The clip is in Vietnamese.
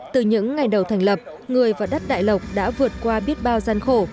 từ những ngày đầu thành lập người và đất đại lộc đã vượt qua biết bao gian khổ